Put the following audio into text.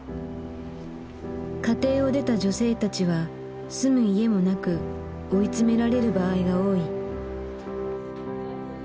家庭を出た女性たちは住む家もなく追い詰められる場合が多い。